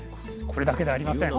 これだけではありません。